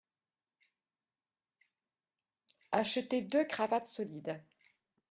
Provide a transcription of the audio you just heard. Acheter deux cravates solides.